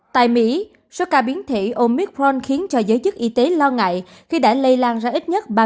tại mỹ số ca biến thể omicron khiến cho giới chức y tế lo ngại khi đã lây lan ra ít nhất ba mươi